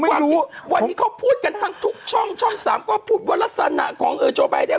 วันนี้เขาพูดกันทั้งทุกช่องช่องสามก็พูดว่ารัศนาของโดนัททรัมป์